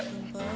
terima kasih ya